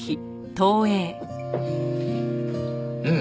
うん！